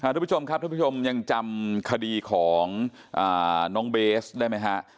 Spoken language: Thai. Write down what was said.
ทุกผู้ชมครับท่านผู้ชมยังจำคดีของน้องเบสได้ไหมฮะ